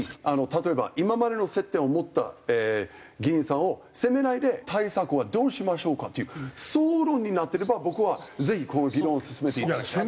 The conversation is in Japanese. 例えば「今までの接点を持った議員さんを責めないで対策はどうしましょうか？」という争論になってれば僕はぜひこの議論を進めていただきたい。